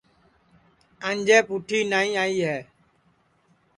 انجے پُٹھی نائی آئی ہے